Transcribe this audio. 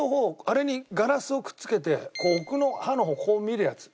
あれにガラスをくっつけて奧の歯の方こう見るやつ。